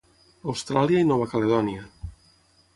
Austràlia i Nova Caledònia.